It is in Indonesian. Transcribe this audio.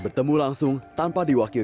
itu jauh lebih baik